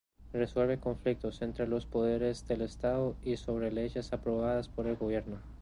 Resuelve conflictos entre los poderes del Estado y sobre leyes aprobadas por el Gobierno.